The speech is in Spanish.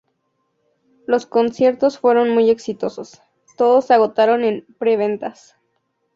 Los conciertos fueron muy exitosos: todos se agotaron en pre-ventas.